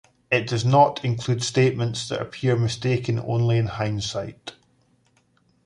It does not include statements that appear mistaken only in hindsight.